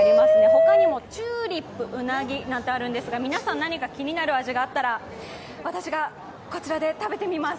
他にもチューリップ、うなぎなんてのがありますが皆さん、何か気になる味があったら私がこちらで食べてみます。